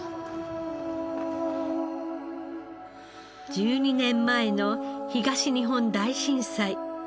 １２年前の東日本大震災。